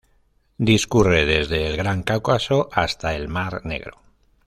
Discurre desde el Gran Cáucaso hasta el mar Negro.